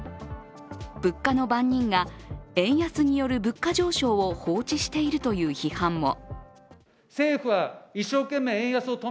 物価の番人が円安による物価上昇を放置しているという批判も。